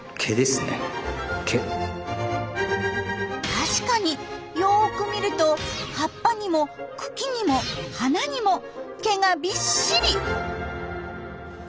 確かによく見ると葉っぱにも茎にも花にも毛がびっしり！